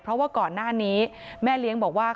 เพราะว่าก่อนหน้านี้แม่เลี้ยงบอกว่า